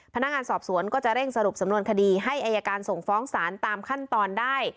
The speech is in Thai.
พนักงานสอบสวนก็จะเร่งสรุปสำนวนคดีให้อายการส่งฟ้องศาลตามขั้นตอนได้